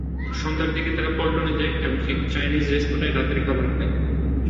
সন্ধ্যার দিকে তারা পল্টনে যায় এবং একটি চায়নিজ রেস্তোরাঁয় রাতের খাবার খায়।